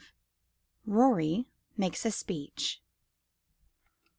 Rorie makes a Speech.